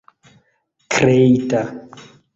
kreita